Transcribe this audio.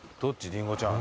りんごちゃん。